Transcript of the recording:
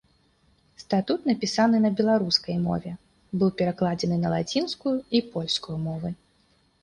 Статут напісаны на беларускай мове, быў перакладзены на лацінскую і польскую мовы.